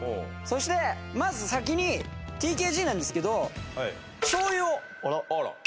そしてまず先にＴＫＧなんですけど。